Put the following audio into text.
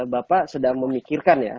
bapak sedang memikirkan ya